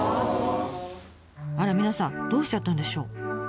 あら皆さんどうしちゃったんでしょう？